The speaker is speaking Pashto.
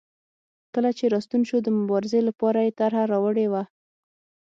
کله چې راستون شو د مبارزې لپاره یې طرحه راوړې وه.